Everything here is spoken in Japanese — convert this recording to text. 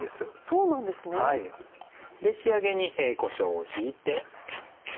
仕上げにこしょうをひいて。